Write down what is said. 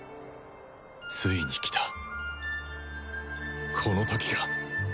ついに来たこの時が